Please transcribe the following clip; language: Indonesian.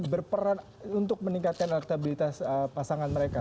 berperan untuk meningkatkan elektabilitas pasangan mereka